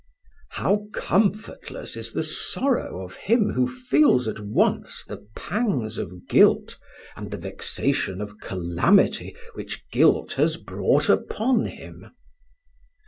How comfortless is the sorrow of him who feels at once the pangs of guilt and the vexation of calamity which guilt has brought upon him!